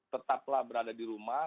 tetaplah berada di rumah